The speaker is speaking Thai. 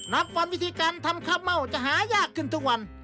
ก่อนวิธีการทำข้าวเม่าจะหายากขึ้นทุกวัน